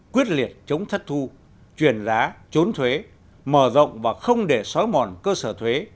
quyết liệt chống thất thu chuyển giá trốn thuế mở rộng và không để xói mòn cơ sở thuế